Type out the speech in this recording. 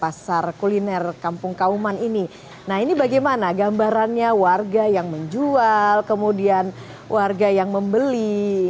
pasar kuliner kampung kauman ini nah ini bagaimana gambarannya warga yang menjual kemudian warga yang membeli